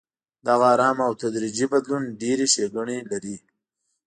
دغه ارام او تدریجي بدلون ډېرې ښېګڼې لري.